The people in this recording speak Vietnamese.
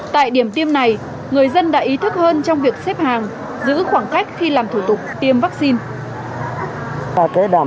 tại điểm tiêm này người dân đã ý thức hơn trong việc xếp hàng giữ khoảng cách khi làm thủ tục tiêm vaccine